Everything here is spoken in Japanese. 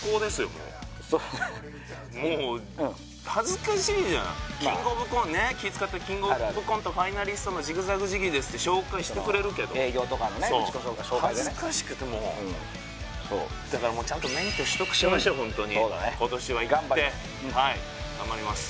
もうそうだねもう恥ずかしいじゃん気を使って「キングオブコントファイナリストのジグザグジギーです」って紹介してくれるけど営業とかのね紹介でね恥ずかしくてもうそうだからもうちゃんと免許取得しましょうホントに今年はいって頑張ります